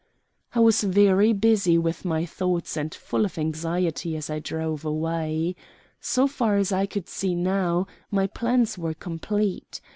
I was very busy with my thoughts and full of anxiety as I drove away. So far as I could see now, my plans were complete.